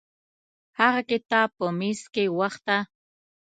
هغه کتاب په میز کې وخته.